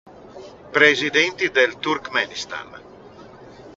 Presidenti del Turkmenistan